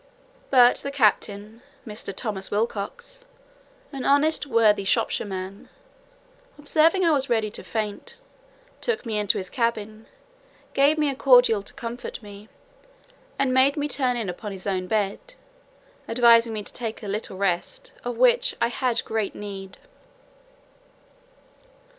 But the captain, Mr. Thomas Wilcocks, an honest worthy Shropshire man, observing I was ready to faint, took me into his cabin, gave me a cordial to comfort me, and made me turn in upon his own bed, advising me to take a little rest, of which I had great need.